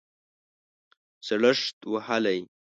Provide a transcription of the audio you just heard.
زړښت وهلی